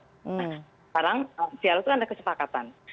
sekarang sial itu ada kesepakatan